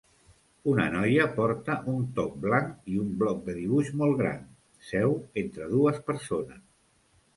Una noia porta un top blanc i un bloc de dibuix molt gran seu entre dues persones.